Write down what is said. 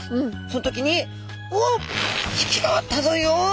その時に「おお！引きがあったぞよし！